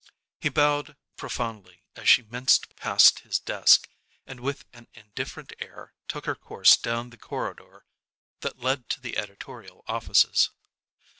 He bowed profoundly as she minced past his desk, and with an indifferent air took her course down the corridor that led to the editorial offices.